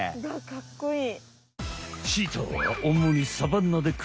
かっこいい。